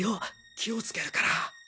気をつけるから。